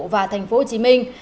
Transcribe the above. và thành phố hồ chí minh